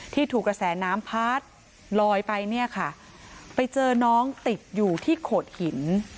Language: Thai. ถูกกระแสน้ำพัดลอยไปเนี่ยค่ะไปเจอน้องติดอยู่ที่โขดหิน